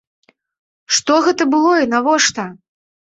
Што гэта было і навошта?